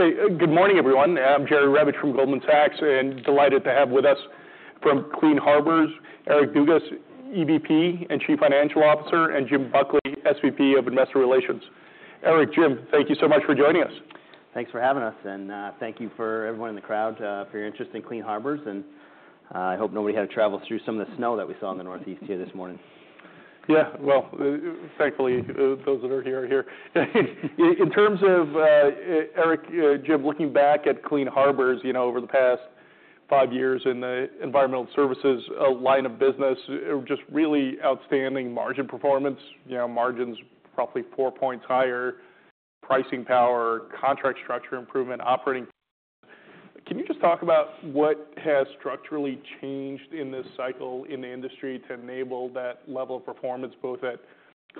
Okay, good morning, everyone. I'm Jerry Revich from Goldman Sachs, and delighted to have with us from Clean Harbors Eric Dugas, EVP and Chief Financial Officer, and Jim Buckley, SVP of Investor Relations. Eric, Jim, thank you so much for joining us. Thanks for having us, and thank you for everyone in the crowd for your interest in Clean Harbors, and I hope nobody had to travel through some of the snow that we saw in the Northeast here this morning. Yeah, well, thankfully those that are here are here. In terms of Eric, Jim, looking back at Clean Harbors, you know, over the past five years in the environmental services line of business, just really outstanding margin performance, you know, margins roughly four points higher, pricing power, contract structure improvement, operating... Can you just talk about what has structurally changed in this cycle in the industry to enable that level of performance both at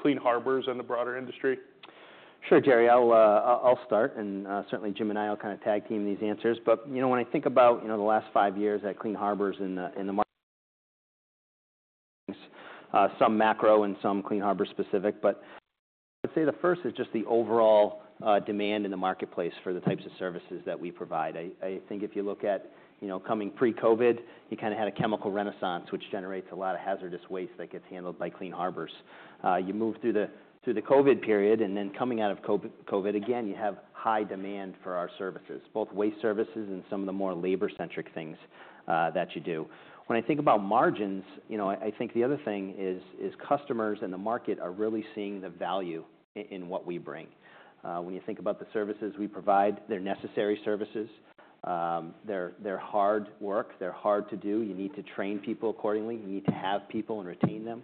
Clean Harbors and the broader industry? Sure, Jerry, I'll start, and certainly Jim and I will kind of tag team these answers, but you know, when I think about, you know, the last five years at Clean Harbors and the market, some macro and some Clean Harbors specific, but I'd say the first is just the overall demand in the marketplace for the types of services that we provide. I think if you look at, you know, coming pre-COVID, you kind of had a chemical renaissance, which generates a lot of hazardous waste that gets handled by Clean Harbors. You move through the COVID period, and then coming out of COVID, again, you have high demand for our services, both waste services and some of the more labor-centric things that you do. When I think about margins, you know, I think the other thing is customers and the market are really seeing the value in what we bring. When you think about the services we provide, they're necessary services, they're hard work, they're hard to do, you need to train people accordingly, you need to have people and retain them,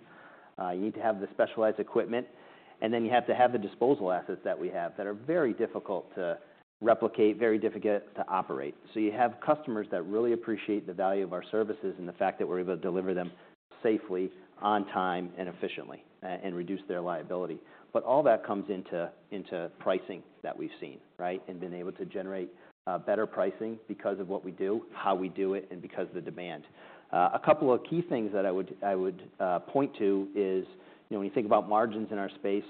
you need to have the specialized equipment, and then you have to have the disposal assets that we have that are very difficult to replicate, very difficult to operate. So you have customers that really appreciate the value of our services and the fact that we're able to deliver them safely, on time, and efficiently, and reduce their liability. But all that comes into pricing that we've seen, right, and been able to generate better pricing because of what we do, how we do it, and because of the demand. A couple of key things that I would point to is, you know, when you think about margins in our space,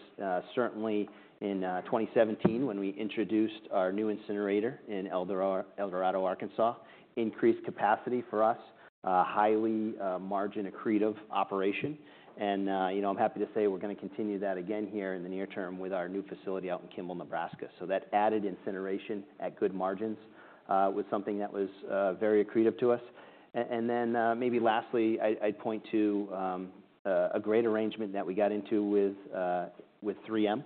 certainly in 2017 when we introduced our new incinerator in El Dorado, Arkansas, increased capacity for us, highly margin accretive operation, and you know, I'm happy to say we're going to continue that again here in the near term with our new facility out in Kimball, Nebraska. So that added incineration at good margins was something that was very accretive to us. And then maybe lastly, I'd point to a great arrangement that we got into with 3M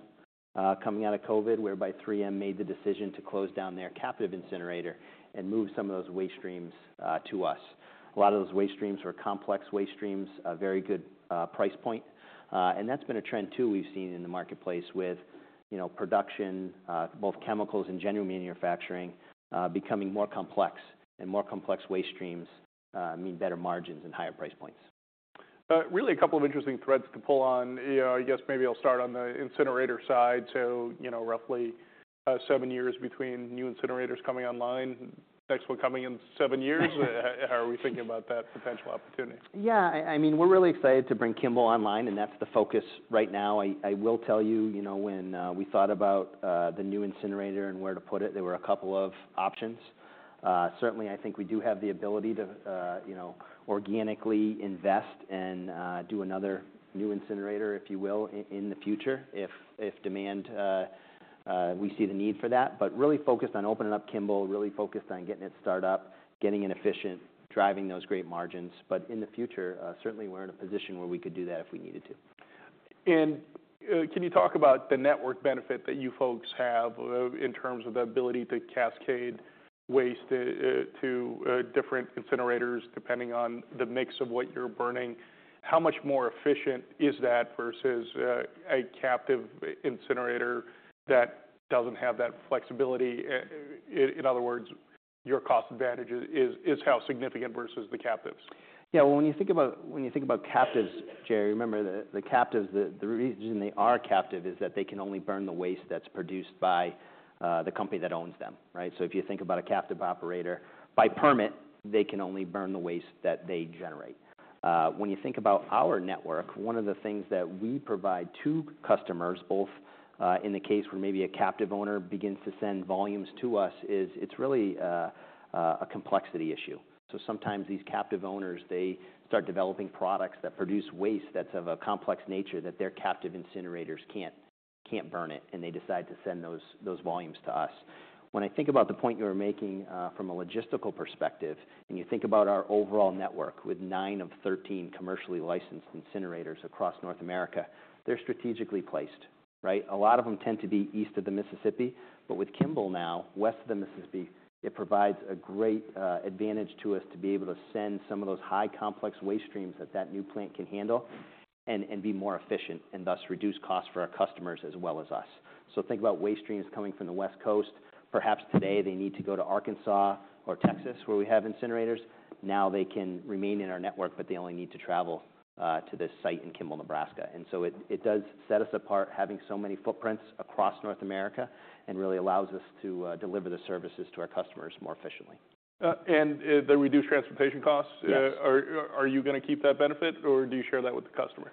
coming out of COVID, whereby 3M made the decision to close down their captive incinerator and move some of those waste streams to us. A lot of those waste streams were complex waste streams, a very good price point, and that's been a trend too we've seen in the marketplace with, you know, production, both chemicals and general manufacturing becoming more complex, and more complex waste streams mean better margins and higher price points. Really a couple of interesting threads to pull on. I guess maybe I'll start on the incinerator side. So, you know, roughly seven years between new incinerators coming online, next one coming in seven years, how are we thinking about that potential opportunity? Yeah, I mean, we're really excited to bring Kimball online, and that's the focus right now. I will tell you, you know, when we thought about the new incinerator and where to put it, there were a couple of options. Certainly, I think we do have the ability to, you know, organically invest and do another new incinerator, if you will, in the future if demand, we see the need for that, but really focused on opening up Kimball, really focused on getting it started up, getting it efficient, driving those great margins. But in the future, certainly we're in a position where we could do that if we needed to. Can you talk about the network benefit that you folks have in terms of the ability to cascade waste to different incinerators depending on the mix of what you're burning? How much more efficient is that versus a captive incinerator that doesn't have that flexibility? In other words, your cost advantage is how significant versus the captives? Yeah, well, when you think about captives, Jerry, remember the captives, the reason they are captive is that they can only burn the waste that's produced by the company that owns them, right? So if you think about a captive operator, by permit, they can only burn the waste that they generate. When you think about our network, one of the things that we provide to customers, both in the case where maybe a captive owner begins to send volumes to us, is it's really a complexity issue. So sometimes these captive owners, they start developing products that produce waste that's of a complex nature that their captive incinerators can't burn it, and they decide to send those volumes to us. When I think about the point you were making from a logistical perspective, and you think about our overall network with nine of 13 commercially licensed incinerators across North America, they're strategically placed, right? A lot of them tend to be east of the Mississippi, but with Kimball now, west of the Mississippi, it provides a great advantage to us to be able to send some of those high complex waste streams that the new plant can handle and be more efficient and thus reduce costs for our customers as well as us. So think about waste streams coming from the West Coast. Perhaps today they need to go to Arkansas or Texas where we have incinerators. Now they can remain in our network, but they only need to travel to this site in Kimball, Nebraska. It does set us apart, having so many footprints across North America, and really allows us to deliver the services to our customers more efficiently. The reduced transportation costs, are you going to keep that benefit, or do you share that with the customer?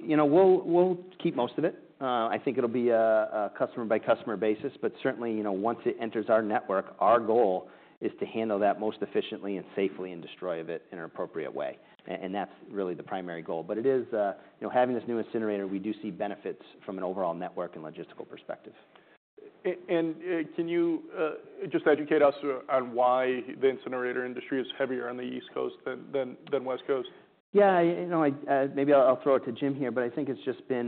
You know, we'll keep most of it. I think it'll be a customer-by-customer basis, but certainly, you know, once it enters our network, our goal is to handle that most efficiently and safely and destroy it in an appropriate way, and that's really the primary goal, but it is, you know, having this new incinerator, we do see benefits from an overall network and logistical perspective. Can you just educate us on why the incinerator industry is heavier on the East Coast than West Coast? Yeah, you know, maybe I'll throw it to Jim here, but I think it's just been,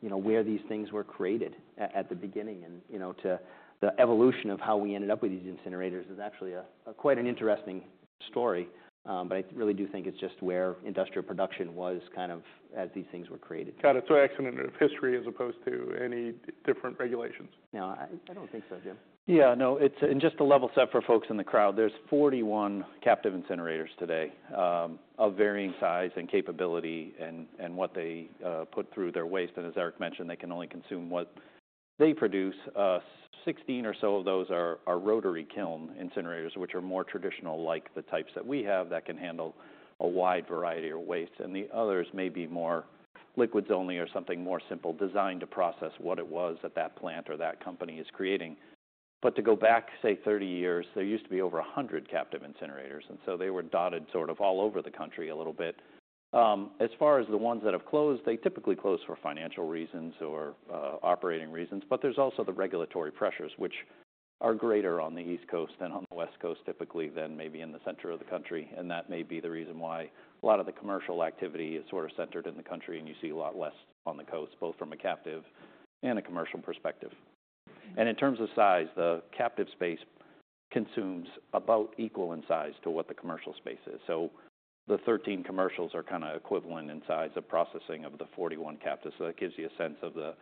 you know, where these things were created at the beginning, and you know, to the evolution of how we ended up with these incinerators is actually quite an interesting story. But I really do think it's just where industrial production was kind of as these things were created. Kind of a coincidence of history as opposed to any different regulations. No, I don't think so, Jim. Yeah, no, it's just to level set for folks in the crowd. There's 41 captive incinerators today of varying size and capability and what they put through their waste. And as Eric mentioned, they can only consume what they produce. 16 or so of those are rotary kiln incinerators, which are more traditional, like the types that we have that can handle a wide variety of waste. And the others may be more liquids only or something more simple designed to process what it was that plant or that company is creating. But to go back, say, 30 years, there used to be over a hundred captive incinerators, and so they were dotted sort of all over the country a little bit. As far as the ones that have closed, they typically close for financial reasons or operating reasons, but there's also the regulatory pressures, which are greater on the East Coast than on the West Coast typically than maybe in the center of the country, and that may be the reason why a lot of the commercial activity is sort of centered in the country, and you see a lot less on the coast, both from a captive and a commercial perspective, and in terms of size, the captive space consumes about equal in size to what the commercial space is, so the 13 commercials are kind of equivalent in size of processing of the 41 captives, so that gives you a sense of the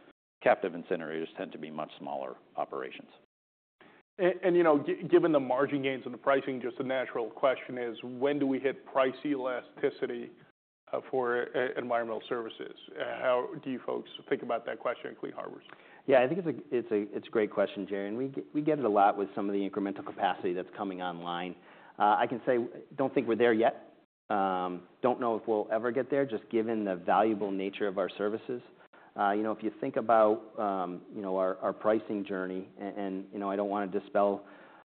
captive incinerators tend to be much smaller operations. You know, given the margin gains and the pricing, just a natural question is, when do we hit price elasticity for environmental services? How do you folks think about that question at Clean Harbors? Yeah, I think it's a great question, Jerry. And we get it a lot with some of the incremental capacity that's coming online. I can say, I don't think we're there yet. Don't know if we'll ever get there, just given the valuable nature of our services. You know, if you think about, you know, our pricing journey, and you know, I don't want to dispel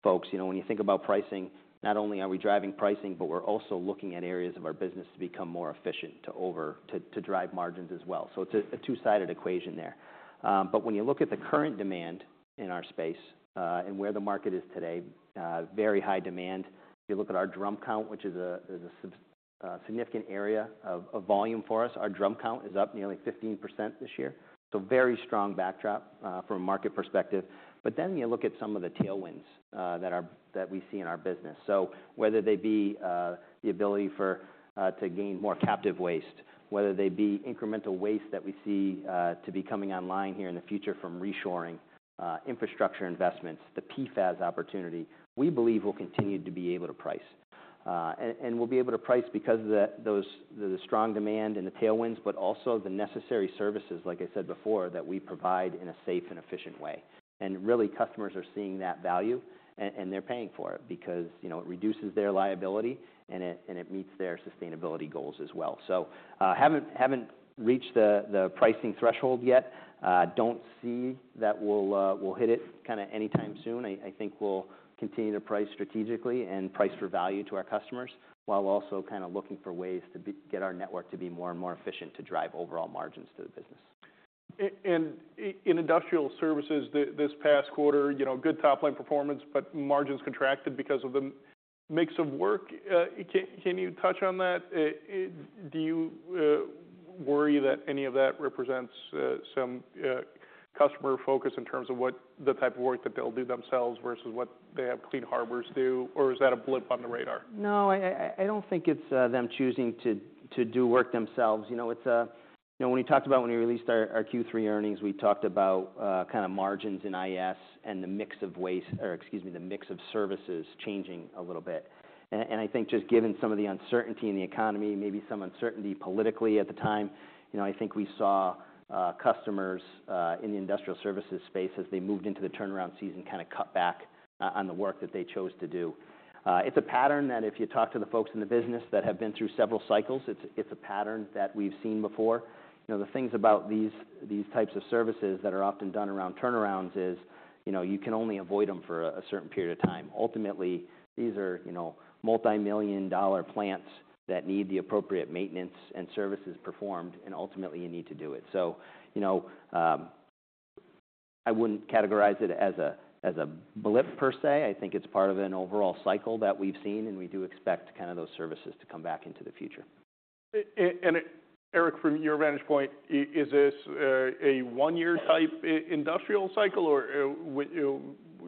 folks, you know, when you think about pricing, not only are we driving pricing, but we're also looking at areas of our business to become more efficient to drive margins as well. So it's a two-sided equation there. But when you look at the current demand in our space and where the market is today, very high demand. If you look at our drum count, which is a significant area of volume for us, our drum count is up nearly 15% this year. So very strong backdrop from a market perspective. But then you look at some of the tailwinds that we see in our business. So whether they be the ability to gain more captive waste, whether they be incremental waste that we see to be coming online here in the future from reshoring, infrastructure investments, the PFAS opportunity, we believe we'll continue to be able to price. And we'll be able to price because of the strong demand and the tailwinds, but also the necessary services, like I said before, that we provide in a safe and efficient way. And really customers are seeing that value, and they're paying for it because, you know, it reduces their liability and it meets their sustainability goals as well. So haven't reached the pricing threshold yet. Don't see that we'll hit it kind of anytime soon. I think we'll continue to price strategically and price for value to our customers while also kind of looking for ways to get our network to be more and more efficient to drive overall margins to the business. And in industrial services this past quarter, you know, good top-line performance, but margins contracted because of the mix of work. Can you touch on that? Do you worry that any of that represents some customer focus in terms of what the type of work that they'll do themselves versus what they have Clean Harbors do, or is that a blip on the radar? No, I don't think it's them choosing to do work themselves. You know, when we talked about when we released our Q3 earnings, we talked about kind of margins in IS and the mix of waste, or excuse me, the mix of services changing a little bit, and I think just given some of the uncertainty in the economy, maybe some uncertainty politically at the time, you know, I think we saw customers in the industrial services space as they moved into the turnaround season kind of cut back on the work that they chose to do. It's a pattern that if you talk to the folks in the business that have been through several cycles, it's a pattern that we've seen before. You know, the things about these types of services that are often done around turnarounds is, you know, you can only avoid them for a certain period of time. Ultimately, these are, you know, multi-million-dollar plants that need the appropriate maintenance and services performed, and ultimately you need to do it. So, you know, I wouldn't categorize it as a blip per se. I think it's part of an overall cycle that we've seen, and we do expect kind of those services to come back into the future. Eric, from your vantage point, is this a one-year type industrial cycle, or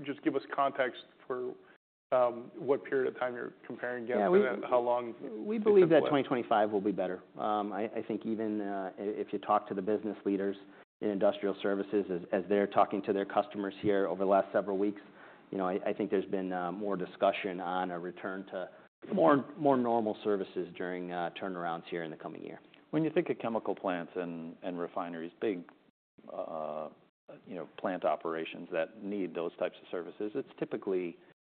just give us context for what period of time you're comparing against how long? We believe that 2025 will be better. I think even if you talk to the business leaders in industrial services as they're talking to their customers here over the last several weeks, you know, I think there's been more discussion on a return to more normal services during turnarounds here in the coming year. When you think of chemical plants and refineries, big, you know, plant operations that need those types of services, it's typically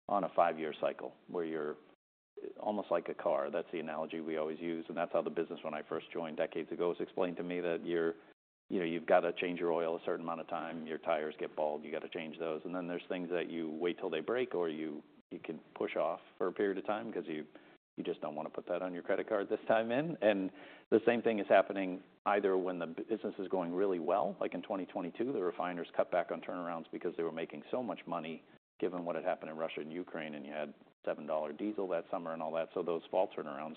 on a five-year cycle where you're almost like a car. That's the analogy we always use, and that's how the business when I first joined decades ago was explained to me that you're, you know, you've got to change your oil a certain amount of time, your tires get bald, you got to change those. And then there's things that you wait till they break or you can push off for a period of time because you just don't want to put that on your credit card this time in. The same thing is happening either when the business is going really well, like in 2022, the refiners cut back on turnarounds because they were making so much money given what had happened in Russia and Ukraine, and you had $7 diesel that summer and all that. Those fall turnarounds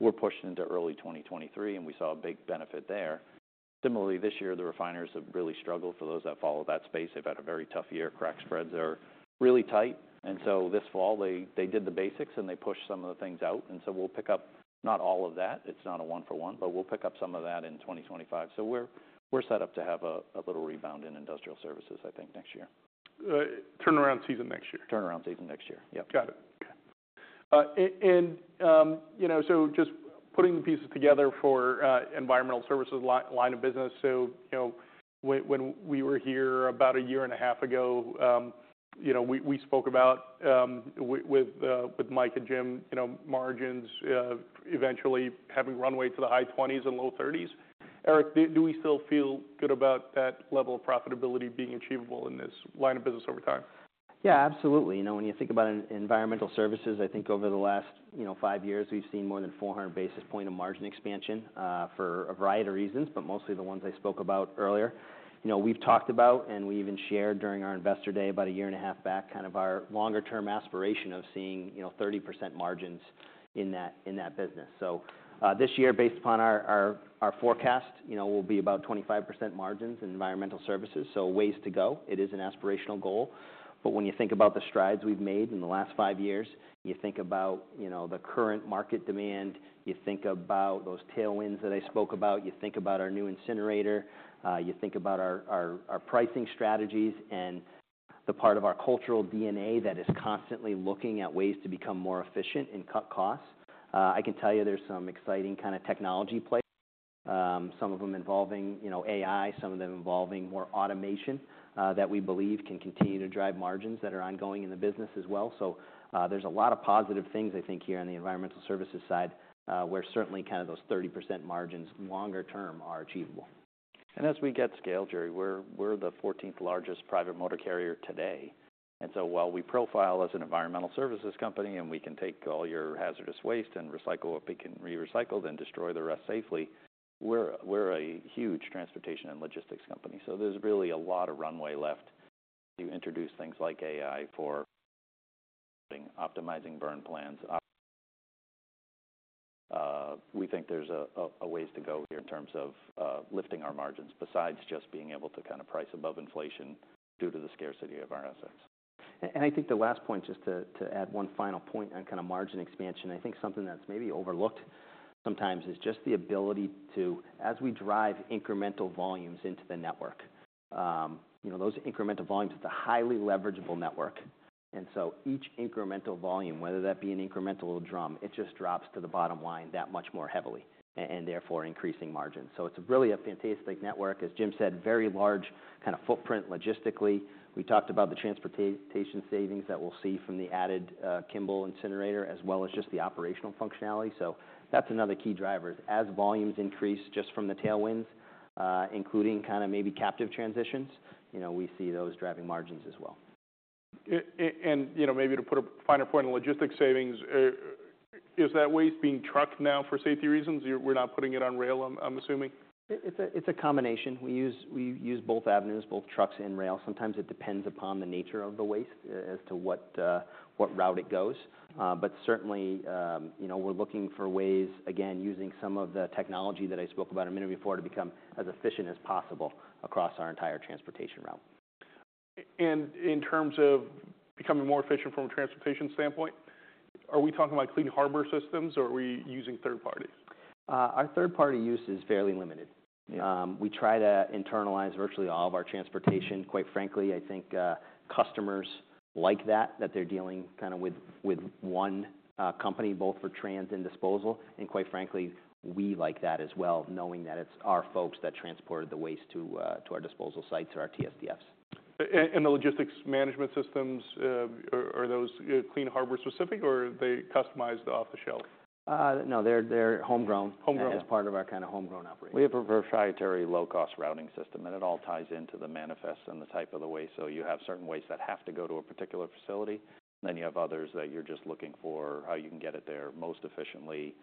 were pushed into early 2023, and we saw a big benefit there. Similarly, this year the refiners have really struggled for those that follow that space. They've had a very tough year. Crack spreads are really tight. This fall they did the basics and they pushed some of the things out. We'll pick up not all of that. It's not a one-for-one, but we'll pick up some of that in 2025. We're set up to have a little rebound in industrial services, I think, next year. Turnaround season next year. Turnaround season next year. Yep. Got it. And you know, so just putting the pieces together for environmental services line of business. So, you know, when we were here about a year and a half ago, you know, we spoke about with Mike and Jim, you know, margins eventually having runway to the high 20s and low 30s. Eric, do we still feel good about that level of profitability being achievable in this line of business over time? Yeah, absolutely. You know, when you think about environmental services, I think over the last, you know, five years we've seen more than 400 basis points of margin expansion for a variety of reasons, but mostly the ones I spoke about earlier. You know, we've talked about and we even shared during our investor day about a year and a half back kind of our longer-term aspiration of seeing, you know, 30% margins in that business. So this year, based upon our forecast, you know, we'll be about 25% margins in environmental services. So, a ways to go. It is an aspirational goal. But when you think about the strides we've made in the last five years, you think about, you know, the current market demand, you think about those tailwinds that I spoke about, you think about our new incinerator, you think about our pricing strategies and the part of our cultural DNA that is constantly looking at ways to become more efficient and cut costs. I can tell you there's some exciting kind of technology plays, some of them involving, you know, AI, some of them involving more automation that we believe can continue to drive margins that are ongoing in the business as well. So there's a lot of positive things, I think, here on the environmental services side where certainly kind of those 30% margins longer term are achievable. As we get scale, Jerry, we're the 14th largest private motor carrier today. While we profile as an environmental services company and we can take all your hazardous waste and recycle what we can re-recycle, then destroy the rest safely, we're a huge transportation and logistics company. There's really a lot of runway left to introduce things like AI for optimizing burn plans. We think there's a ways to go here in terms of lifting our margins besides just being able to kind of price above inflation due to the scarcity of our assets. I think the last point, just to add one final point on kind of margin expansion, I think something that's maybe overlooked sometimes is just the ability to, as we drive incremental volumes into the network, you know, those incremental volumes at the highly leverageable network. Each incremental volume, whether that be an incremental drum, it just drops to the bottom line that much more heavily and therefore increasing margins. It's really a fantastic network, as Jim said, very large kind of footprint logistically. We talked about the transportation savings that we'll see from the added Kimball incinerator as well as just the operational functionality. That's another key driver. As volumes increase just from the tailwinds, including kind of maybe captive transitions, you know, we see those driving margins as well. You know, maybe to put a finer point on logistics savings, is that waste being trucked now for safety reasons? We're not putting it on rail, I'm assuming. It's a combination. We use both avenues, both trucks and rail. Sometimes it depends upon the nature of the waste as to what route it goes. But certainly, you know, we're looking for ways, again, using some of the technology that I spoke about a minute before to become as efficient as possible across our entire transportation route. In terms of becoming more efficient from a transportation standpoint, are we talking about Clean Harbors systems or are we using third parties? Our third-party use is fairly limited. We try to internalize virtually all of our transportation. Quite frankly, I think customers like that, that they're dealing kind of with one company, both for trans and disposal. And quite frankly, we like that as well, knowing that it's our folks that transported the waste to our disposal sites or our TSDFs. The logistics management systems, are those Clean Harbors specific or are they customized off the shelf? No, they're homegrown as part of our kind of homegrown operation. We have a proprietary low-cost routing system, and it all ties into the manifest and the type of the waste. So you have certain ways that have to go to a particular facility, and then you have others that you're just looking for how you can get it there most efficiently,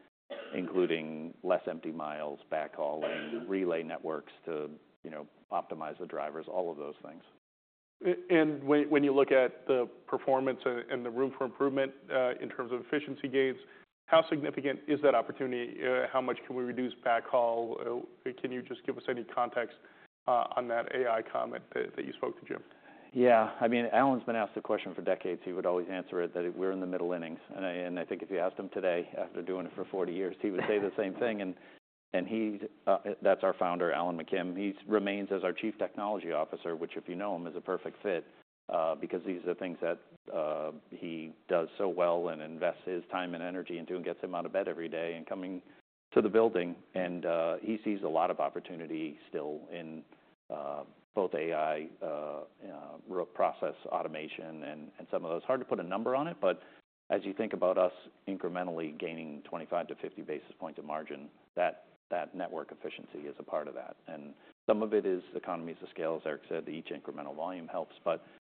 including less empty miles, backhauling, relay networks to, you know, optimize the drivers, all of those things. When you look at the performance and the room for improvement in terms of efficiency gains, how significant is that opportunity? How much can we reduce backhaul? Can you just give us any context on that AI comment that you spoke to Jim? Yeah, I mean, Alan's been asked the question for decades. He would always answer it that we're in the middle innings. And I think if you asked him today after doing it for 40 years, he would say the same thing. And that's our founder, Alan McKim. He remains as our Chief Technology Officer, which if you know him, is a perfect fit because these are things that he does so well and invests his time and energy into and gets him out of bed every day and coming to the building. And he sees a lot of opportunity still in both AI process automation and some of those. Hard to put a number on it, but as you think about us incrementally gaining 25-50 basis points of margin, that network efficiency is a part of that. Some of it is economies of scale, as Eric said, each incremental volume helps.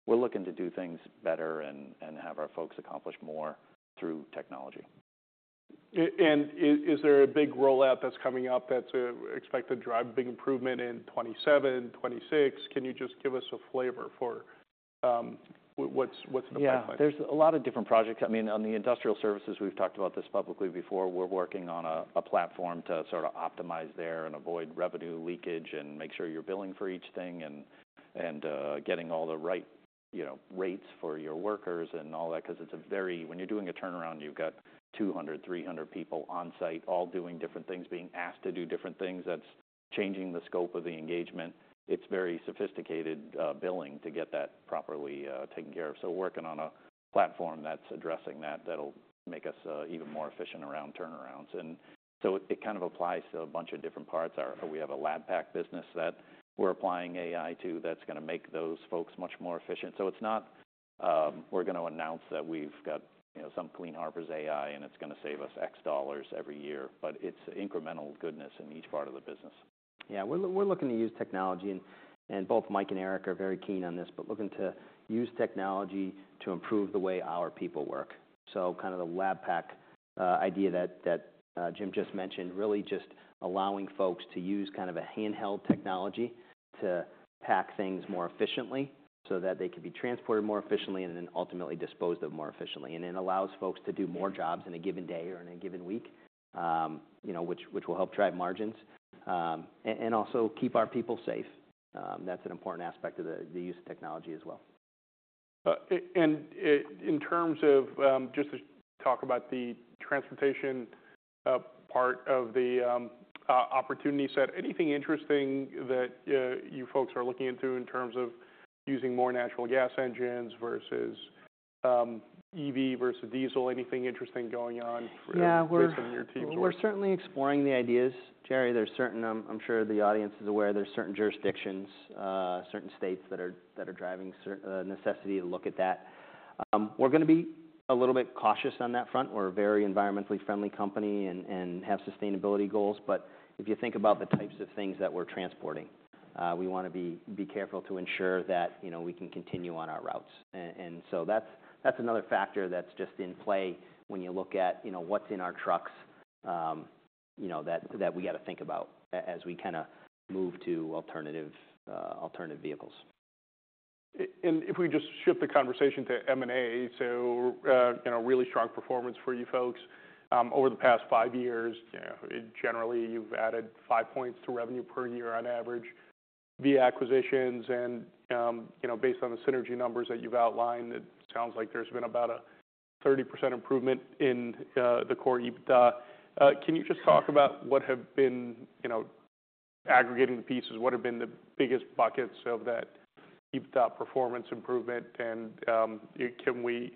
We're looking to do things better and have our folks accomplish more through technology. Is there a big rollout that's coming up that's expected to drive big improvement in 2027, 2026? Can you just give us a flavor for what's in the pipeline? Yeah, there's a lot of different projects. I mean, on the industrial services, we've talked about this publicly before. We're working on a platform to sort of optimize there and avoid revenue leakage and make sure you're billing for each thing and getting all the right, you know, rates for your workers and all that because it's a very, when you're doing a turnaround, you've got 200, 300 people on site all doing different things, being asked to do different things. That's changing the scope of the engagement. It's very sophisticated billing to get that properly taken care of. So we're working on a platform that's addressing that that'll make us even more efficient around turnarounds. And so it kind of applies to a bunch of different parts. We have a lab pack business that we're applying AI to that's going to make those folks much more efficient. So it's not we're going to announce that we've got, you know, some Clean Harbors AI and it's going to save us X dollars every year, but it's incremental goodness in each part of the business. Yeah, we're looking to use technology. And both Mike and Eric are very keen on this, but looking to use technology to improve the way our people work. So kind of the lab pack idea that Jim just mentioned, really just allowing folks to use kind of a handheld technology to pack things more efficiently so that they can be transported more efficiently and then ultimately disposed of more efficiently. And it allows folks to do more jobs in a given day or in a given week, you know, which will help drive margins and also keep our people safe. That's an important aspect of the use of technology as well. In terms of just to talk about the transportation part of the opportunity set, anything interesting that you folks are looking into in terms of using more natural gas engines versus EV versus diesel? Anything interesting going on based on your teams? We're certainly exploring the ideas, Jerry. There's certain. I'm sure the audience is aware. There's certain jurisdictions, certain states that are driving necessity to look at that. We're going to be a little bit cautious on that front. We're a very environmentally friendly company and have sustainability goals. But if you think about the types of things that we're transporting, we want to be careful to ensure that, you know, we can continue on our routes. And so that's another factor that's just in play when you look at, you know, what's in our trucks, you know, that we got to think about as we kind of move to alternative vehicles. And if we just shift the conversation to M&A, so, you know, really strong performance for you folks. Over the past five years, you know, generally you've added five points to revenue per year on average via acquisitions. And, you know, based on the synergy numbers that you've outlined, it sounds like there's been about a 30% improvement in the core EBITDA. Can you just talk about what have been, you know, aggregating the pieces, what have been the biggest buckets of that EBITDA performance improvement? And can we,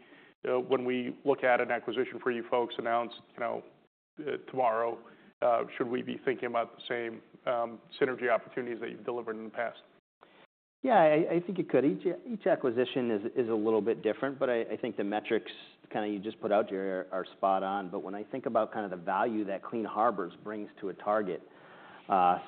when we look at an acquisition for you folks announced, you know, tomorrow, should we be thinking about the same synergy opportunities that you've delivered in the past? Yeah, I think it could. Each acquisition is a little bit different, but I think the metrics kind of you just put out, Jerry, are spot on. But when I think about kind of the value that Clean Harbors brings to a target,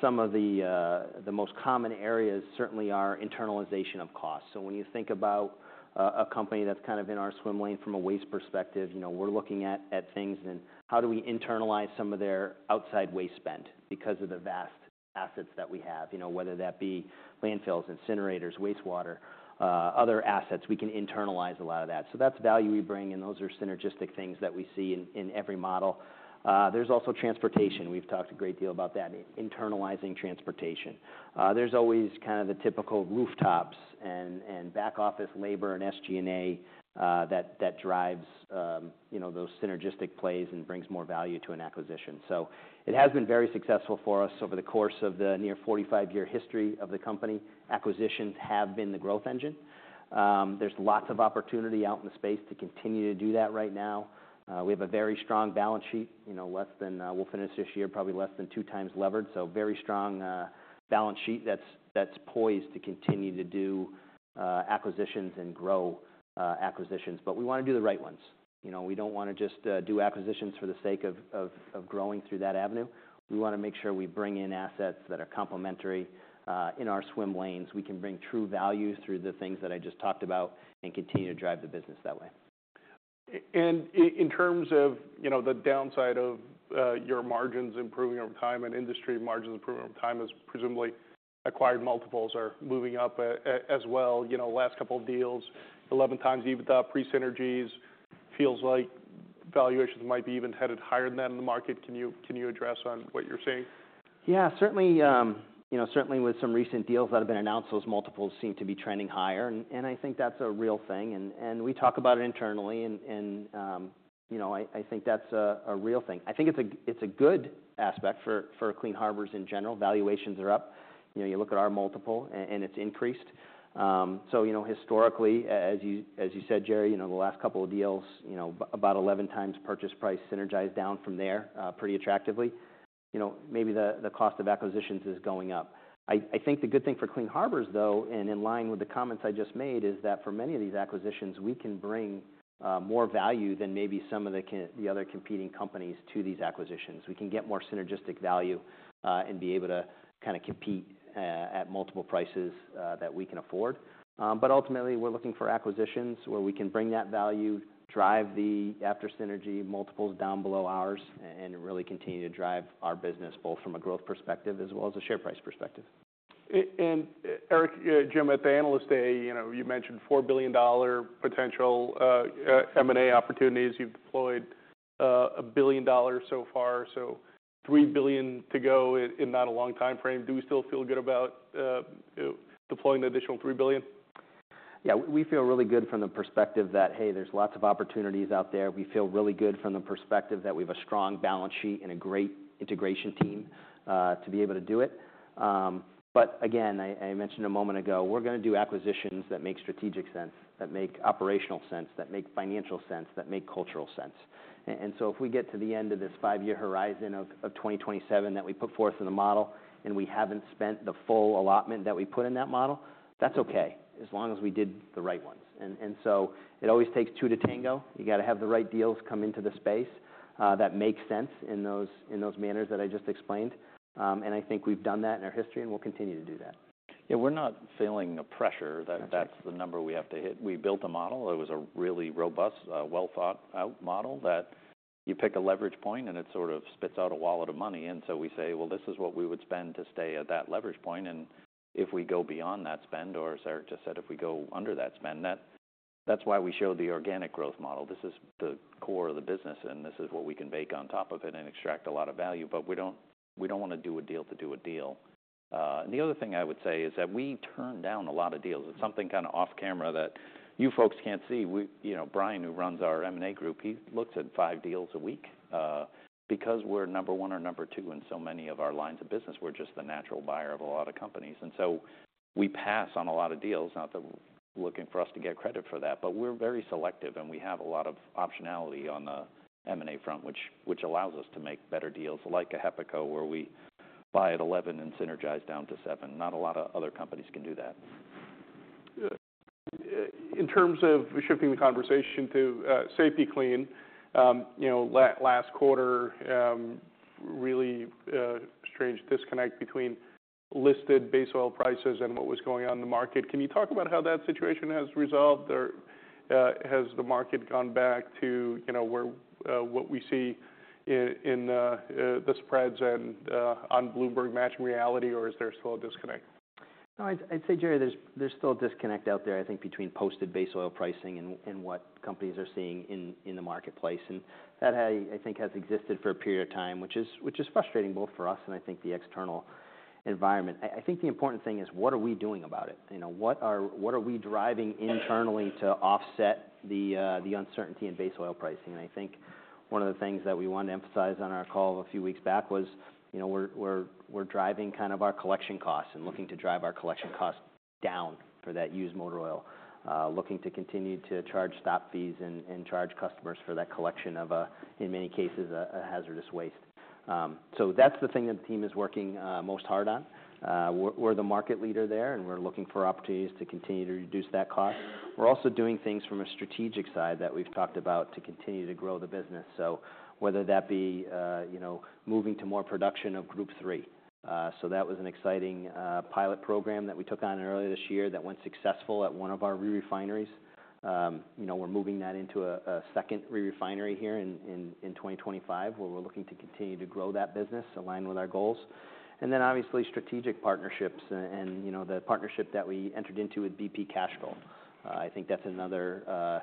some of the most common areas certainly are internalization of costs. So when you think about a company that's kind of in our swim lane from a waste perspective, you know, we're looking at things and how do we internalize some of their outside waste spend because of the vast assets that we have, you know, whether that be landfills, incinerators, wastewater, other assets, we can internalize a lot of that. So that's value we bring. And those are synergistic things that we see in every model. There's also transportation. We've talked a great deal about that, internalizing transportation. There's always kind of the typical rooftops and back office labor and SG&A that drives, you know, those synergistic plays and brings more value to an acquisition. So it has been very successful for us over the course of the near 45-year history of the company. Acquisitions have been the growth engine. There's lots of opportunity out in the space to continue to do that right now. We have a very strong balance sheet, you know, less than, we'll finish this year probably less than two levered. So very strong balance sheet that's poised to continue to do acquisitions and grow acquisitions. But we want to do the right ones. You know, we don't want to just do acquisitions for the sake of growing through that avenue. We want to make sure we bring in assets that are complementary in our swim lanes. We can bring true value through the things that I just talked about and continue to drive the business that way. In terms of, you know, the downside of your margins improving over time and industry margins improving over time is presumably acquired multiples are moving up as well. You know, last couple of deals, 11x EBITDA pre-synergies, feels like valuations might be even headed higher than that in the market. Can you address on what you're seeing? Yeah, certainly, you know, certainly with some recent deals that have been announced, those multiples seem to be trending higher. And I think that's a real thing. And we talk about it internally. And, you know, I think that's a real thing. I think it's a good aspect for Clean Harbors in general. Valuations are up. You know, you look at our multiple and it's increased. So, you know, historically, as you said, Jerry, you know, the last couple of deals, you know, about 11x purchase price synergized down from there pretty attractively. You know, maybe the cost of acquisitions is going up. I think the good thing for Clean Harbors, though, and in line with the comments I just made, is that for many of these acquisitions, we can bring more value than maybe some of the other competing companies to these acquisitions. We can get more synergistic value and be able to kind of compete at multiple prices that we can afford. But ultimately, we're looking for acquisitions where we can bring that value, drive the after synergy multiples down below ours and really continue to drive our business both from a growth perspective as well as a share price perspective. And Eric, Jim, at the analyst day, you know, you mentioned $4 billion potential M&A opportunities. You've deployed a billion dollars so far. So $3 billion to go in not a long time frame. Do we still feel good about deploying the additional $3 billion? Yeah, we feel really good from the perspective that, hey, there's lots of opportunities out there. We feel really good from the perspective that we have a strong balance sheet and a great integration team to be able to do it. But again, I mentioned a moment ago, we're going to do acquisitions that make strategic sense, that make operational sense, that make financial sense, that make cultural sense. And so if we get to the end of this five-year horizon of 2027 that we put forth in the model and we haven't spent the full allotment that we put in that model, that's okay as long as we did the right ones. And so it always takes two to tango. You got to have the right deals come into the space that make sense in those manners that I just explained. I think we've done that in our history and we'll continue to do that. Yeah, we're not feeling a pressure that that's the number we have to hit. We built a model that was a really robust, well-thought-out model that you pick a leverage point and it sort of spits out a wallet of money. And so we say, well, this is what we would spend to stay at that leverage point. And if we go beyond that spend, or as Eric just said, if we go under that spend, that's why we showed the organic growth model. This is the core of the business and this is what we can bake on top of it and extract a lot of value. But we don't want to do a deal to do a deal. And the other thing I would say is that we turn down a lot of deals. It's something kind of off camera that you folks can't see. You know, Brian who runs our M&A group, he looks at five deals a week because we're number one or number two in so many of our lines of business. We're just the natural buyer of a lot of companies. And so we pass on a lot of deals, not that we're looking for us to get credit for that, but we're very selective and we have a lot of optionality on the M&A front, which allows us to make better deals like a HEPACO, where we buy at 11 and synergize down to seven. Not a lot of other companies can do that. In terms of shifting the conversation to Safety-Kleen, you know, last quarter, really strange disconnect between listed base oil prices and what was going on in the market. Can you talk about how that situation has resolved? Has the market gone back to, you know, what we see in the spreads and on Bloomberg matching reality, or is there still a disconnect? No, I'd say, Jerry, there's still a disconnect out there, I think, between posted base oil pricing and what companies are seeing in the marketplace, and that, I think, has existed for a period of time, which is frustrating both for us and I think the external environment. I think the important thing is what are we doing about it? You know, what are we driving internally to offset the uncertainty in base oil pricing, and I think one of the things that we wanted to emphasize on our call a few weeks back was, you know, we're driving kind of our collection costs and looking to drive our collection costs down for that used motor oil, looking to continue to charge stop fees and charge customers for that collection of, in many cases, a hazardous waste, so that's the thing that the team is working most hard on. We're the market leader there and we're looking for opportunities to continue to reduce that cost. We're also doing things from a strategic side that we've talked about to continue to grow the business. So whether that be, you know, moving to more production of Group III. So that was an exciting pilot program that we took on earlier this year that went successful at one of our re-refineries. You know, we're moving that into a second re-refinery here in 2025 where we're looking to continue to grow that business aligned with our goals. And then obviously strategic partnerships and, you know, the partnership that we entered into with Castrol. I think that's another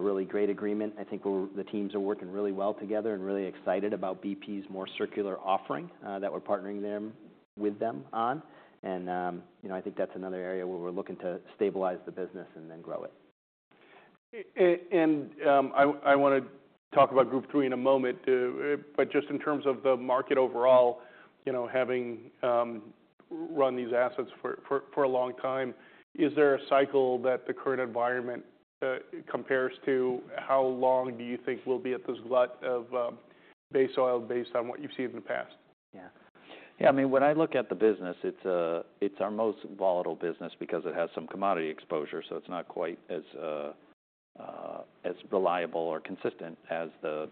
really great agreement. I think the teams are working really well together and really excited about BP's more circular offering that we're partnering with them on. You know, I think that's another area where we're looking to stabilize the business and then grow it. And I want to talk about Group III in a moment. But just in terms of the market overall, you know, having run these assets for a long time, is there a cycle that the current environment compares to? How long do you think we'll be at this glut of base oil based on what you've seen in the past? Yeah, yeah, I mean, when I look at the business, it's our most volatile business because it has some commodity exposure. So it's not quite as reliable or consistent as the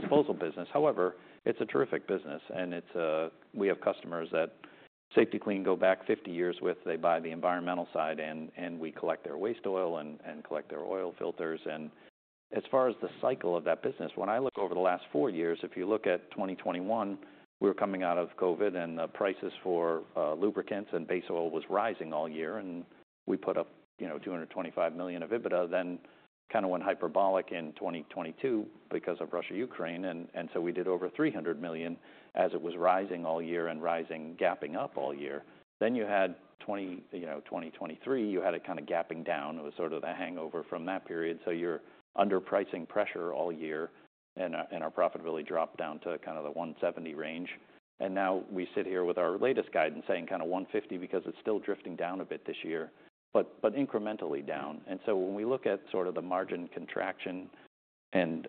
disposal business. However, it's a terrific business, and we have customers that Safety-Kleen go back 50 years with. They buy the environmental side and we collect their waste oil and collect their oil filters. And as far as the cycle of that business, when I look over the last four years, if you look at 2021, we were coming out of COVID and the prices for lubricants and base oil was rising all year. And we put up, you know, $225 million of EBITDA. Then kind of went hyperbolic in 2022 because of Russia-Ukraine. And so we did over $300 million as it was rising all year and rising, gapping up all year. Then you had, you know, 2023. You had it kind of gapping down. It was sort of the hangover from that period. So you're under pricing pressure all year. And our profitability dropped down to kind of the 170 range. And now we sit here with our latest guidance saying kind of 150 because it's still drifting down a bit this year, but incrementally down. And so when we look at sort of the margin contraction and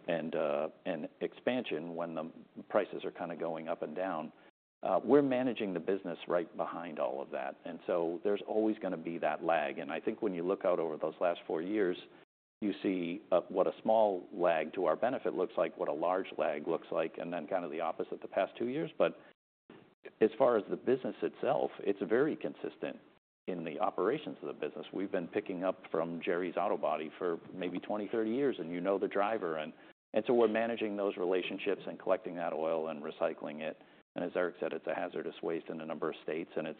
expansion when the prices are kind of going up and down, we're managing the business right behind all of that. And so there's always going to be that lag. And I think when you look out over those last four years, you see what a small lag to our benefit looks like, what a large lag looks like, and then kind of the opposite the past two years. But as far as the business itself, it's very consistent in the operations of the business. We've been picking up from Jerry's Auto Body for maybe 20-30 years. And you know the driver. And so we're managing those relationships and collecting that oil and recycling it. And as Eric said, it's a hazardous waste in a number of states. And it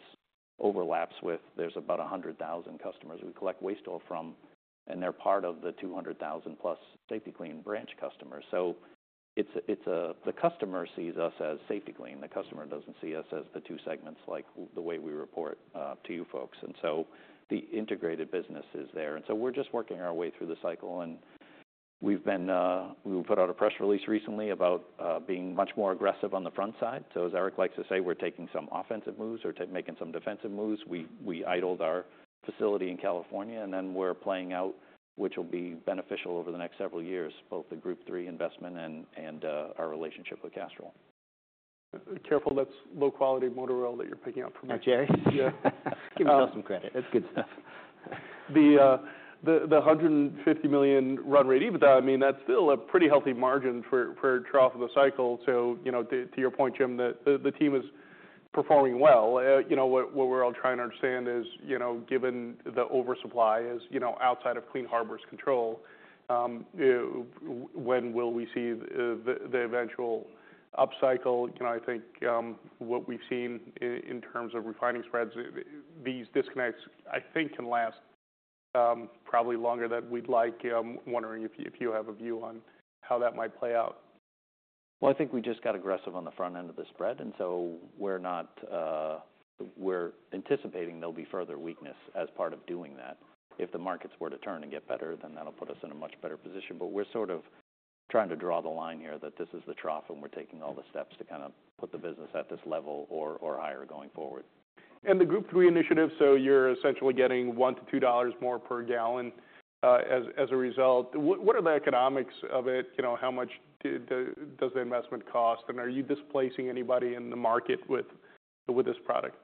overlaps with there's about 100,000 customers we collect waste oil from. And they're part of the 200,000 plus Safety-Kleen branch customers. So the customer sees us as Safety-Kleen. The customer doesn't see us as the two segments like the way we report to you folks. And so the integrated business is there. And so we're just working our way through the cycle. And we put out a press release recently about being much more aggressive on the front side. So as Eric likes to say, we're taking some offensive moves or making some defensive moves. We idled our facility in California. And then we're playing out, which will be beneficial over the next several years, both the Group III investment and our relationship with Castrol. Careful, that's low-quality motor oil that you're picking up from us. Yeah, Jerry. Give me some credit. That's good stuff. The 150 million run rate EBITDA, I mean, that's still a pretty healthy margin for trough of the cycle. So, you know, to your point, Jim, that the team is performing well. You know, what we're all trying to understand is, you know, given the oversupply is, you know, outside of Clean Harbors' control, when will we see the eventual upcycle? You know, I think what we've seen in terms of refining spreads, these disconnects, I think can last probably longer than we'd like. I'm wondering if you have a view on how that might play out. I think we just got aggressive on the front end of the spread. And so we're not. We're anticipating there'll be further weakness as part of doing that. If the markets were to turn and get better, then that'll put us in a much better position. But we're sort of trying to draw the line here that this is the trough and we're taking all the steps to kind of put the business at this level or higher going forward. The Group III initiative, so you're essentially getting $1-$2 more per gallon as a result. What are the economics of it? You know, how much does the investment cost? And are you displacing anybody in the market with this product?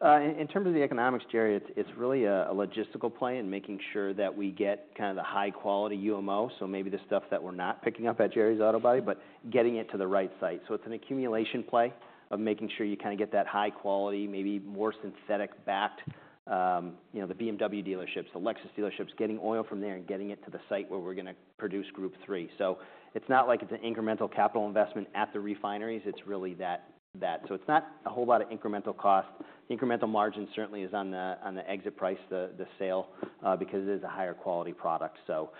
In terms of the economics, Jerry, it's really a logistical play in making sure that we get kind of the high quality UMO. So maybe the stuff that we're not picking up at Jerry's Auto Body, but getting it to the right site. So it's an accumulation play of making sure you kind of get that high quality, maybe more synthetic backed, you know, the BMW dealerships, the Lexus dealerships, getting oil from there and getting it to the site where we're going to produce Group III. So it's not like it's an incremental capital investment at the refineries. It's really that. So it's not a whole lot of incremental cost. The incremental margin certainly is on the exit price, the sale, because it is a higher quality product. So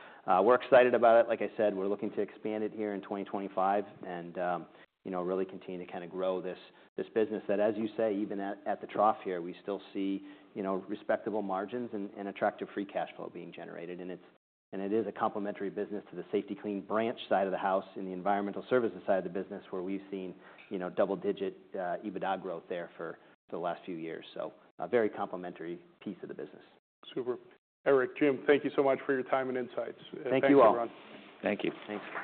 we're excited about it. Like I said, we're looking to expand it here in 2025 and, you know, really continue to kind of grow this business that, as you say, even at the trough here, we still see, you know, respectable margins and attractive free cash flow being generated, and it is a complementary business to the Safety-Kleen branch side of the house and the environmental services side of the business where we've seen, you know, double digit EBITDA growth there for the last few years, so a very complementary piece of the business. Super. Eric, Jim, thank you so much for your time and insights. Thank you all. Thank you. Thanks.